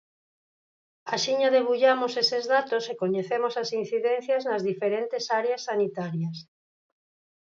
Axiña debullamos eses datos e coñecemos as incidencias nas diferentes áreas sanitarias.